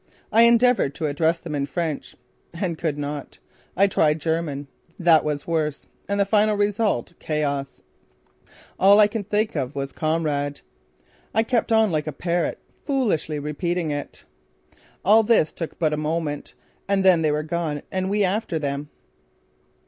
I endeavoured to address them in French and could not. I tried German. That was worse and the final result chaos. All I could think of was "Kamerad." I kept on like a parrot, foolishly repeating it. All this took but a moment and then they were gone and we after them.